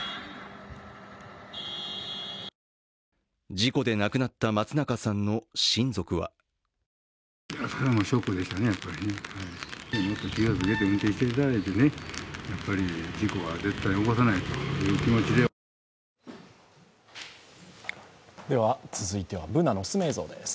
事故で亡くなった松中さんの親族は続いては「Ｂｏｏｎａのおすすめ映像」です。